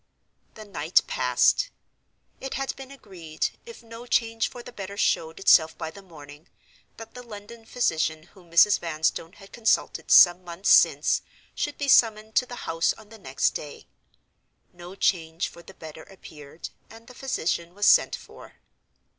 The night passed. It had been agreed, if no change for the better showed itself by the morning, that the London physician whom Mrs. Vanstone had consulted some months since should be summoned to the house on the next day. No change for the better appeared, and the physician was sent for.